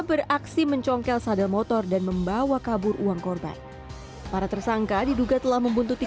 beraksi mencongkel sadel motor dan membawa kabur uang korban para tersangka diduga telah membuntuti